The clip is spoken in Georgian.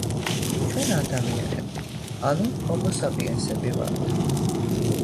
ჩვენ ადამიანები ანუ ჰომოსაპიენსები ვართ